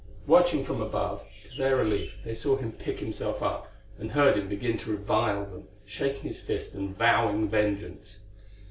Watching from above, to their relief they saw him pick himself up, and heard him begin to revile them, shaking his fist and vowing vengeance.